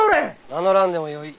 名乗らんでもよい。